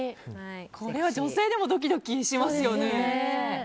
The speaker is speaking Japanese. これは女性でもドキドキしますよね。